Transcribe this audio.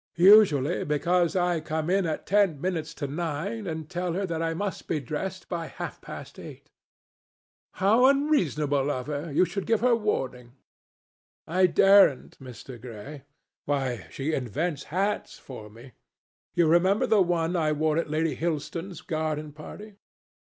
Usually because I come in at ten minutes to nine and tell her that I must be dressed by half past eight." "How unreasonable of her! You should give her warning." "I daren't, Mr. Gray. Why, she invents hats for me. You remember the one I wore at Lady Hilstone's garden party?